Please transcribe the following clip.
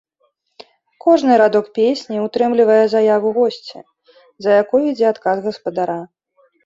Кожны радок песні ўтрымлівае заяву госці, за якой ідзе адказ гаспадара.